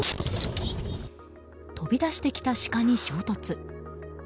飛び出してきたシカに衝突。